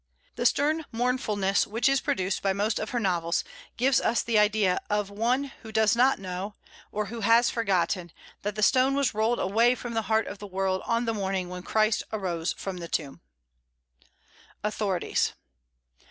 "The stern mournfulness which is produced by most of her novels gives us the idea of one who does not know, or who has forgotten, that the stone was rolled away from the heart of the world on the morning when Christ arose from the tomb." AUTHORITIES.